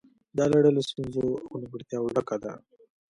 دا لړۍ له ستونزو او نیمګړتیاوو ډکه ده